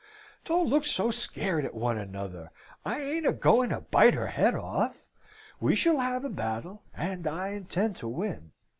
Don't look so scared at one another! I ain't a going to bite her head off. We shall have a battle, and I intend to win.